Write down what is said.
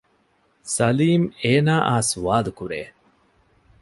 ސަލީމް އޭނާއާ ސުވާލު ކުރޭ